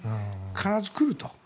必ず来ると。